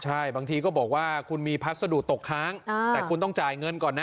ใช่บางทีก็บอกว่าคุณมีพัสดุตกค้างแต่คุณต้องจ่ายเงินก่อนนะ